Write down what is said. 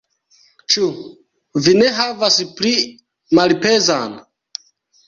Ĉu vi ne havas pli malpezan?